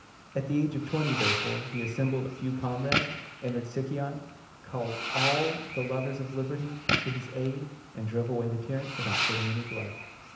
At the age of twenty, therefore, he assembled a few comrades, entered Sicyon, called all the lovers of liberty to his aid, and drove away the tyrant without shedding any blood.